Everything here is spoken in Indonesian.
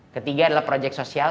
ketiga adalah projek sosial